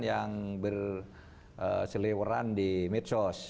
yang berselewaran di mitos